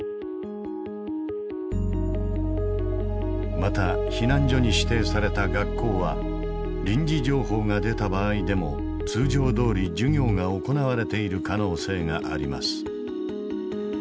また避難所に指定された学校は臨時情報が出た場合でも通常どおり授業が行われている可能性があります。